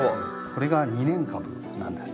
これが２年株なんです。